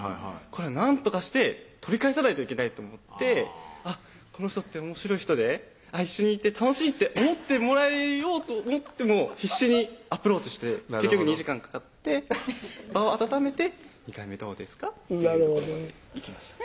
これはなんとかして取り返さないといけないと思ってこの人っておもしろい人で一緒にいて楽しいって思ってもらおうと思って必死にアプローチして結局２時間かかって場を温めて「２回目どうですか？」っていうところまでいきました